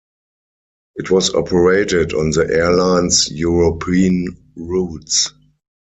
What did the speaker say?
It was operated on the airline's European routes.